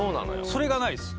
それがないです